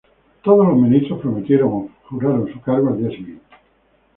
Todos los ministros prometieron o juraron su cargo al día siguiente.